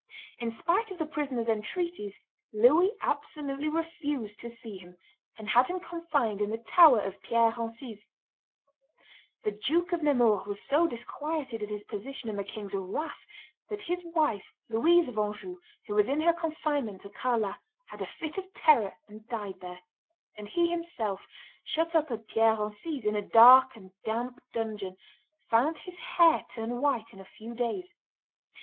In spite of the prisoner's entreaties, Louis absolutely refused to see him, and had him confined in the tower of Pierre Encise. The Duke of Nemours was so disquieted at his position and the king's wrath, that his wife, Louise of Anjou, who was in her confinement at Carlat, had a fit of terror and died there; and he himself, shut up at Pierre Encise, in a dark and damp dungeon, found his hair turn white in a few days.